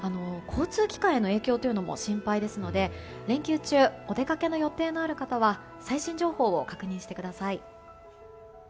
交通機関への影響も心配ですので連休中お出かけの予定がある方は最新情報を確認してください。